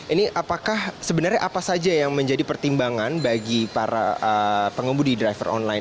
ini apakah sebenarnya apa saja yang menjadi pertimbangan bagi para pengemudi driver online